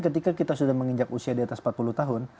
ketika kita sudah menginjak usia di atas empat puluh tahun